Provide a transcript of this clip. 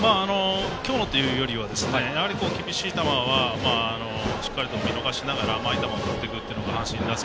今日のというよりは厳しい球はしっかりと見逃しながら甘い球を振っていくのが阪神打線